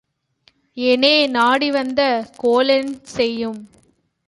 எனே நாடி வந்த கோளென் செயும்?